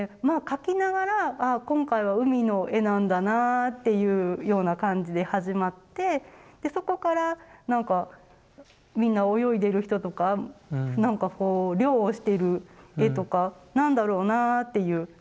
まあ描きながらああ今回は海の絵なんだなっていうような感じで始まってでそこから何かみんな泳いでる人とか何か漁をしてる絵とか何だろうなっていう。